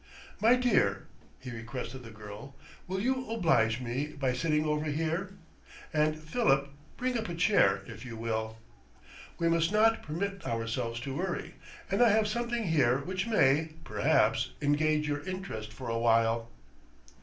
"My dear," he requested the girl, "will you oblige me by sitting over here? And Philip, bring up a chair, if you will. We must not permit ourselves to worry, and I have something here which may, perhaps, engage your interest for a while."